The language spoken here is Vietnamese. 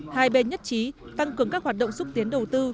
hai bên nhất trí tăng cường các hoạt động xúc tiến đầu tư